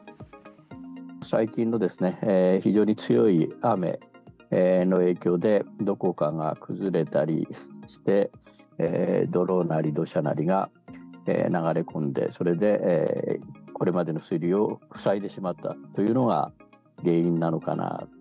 最近の非常に強い雨の影響で、どこかが崩れたりして、泥なり土砂なりが流れ込んで、それでこれまでの水流を塞いでしまったというのが原因なのかな。